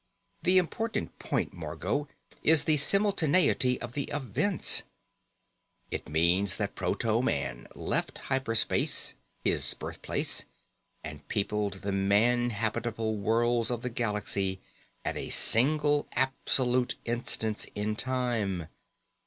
The important point, Margot, is the simultaneity of the events: it means that proto man left hyper space, his birth place, and peopled the man habitable worlds of the galaxy at a single absolute instance in time.